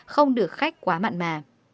không được khách quá mặn mà